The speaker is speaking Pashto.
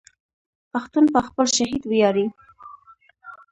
پښتون په خپل شهید ویاړي.